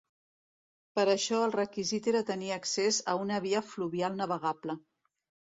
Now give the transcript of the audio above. Per a això, el requisit era tenir accés a una via fluvial navegable.